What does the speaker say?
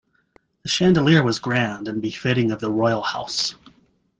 The chandelier was grand and befitting of the royal house.